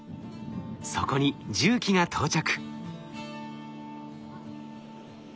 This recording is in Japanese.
そこに重機が到着。